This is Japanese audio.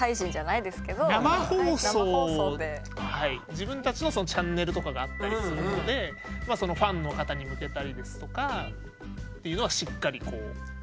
自分たちのチャンネルとかがあったりするのでそのファンの方に向けたりですとかっていうのはしっかりこうそこで。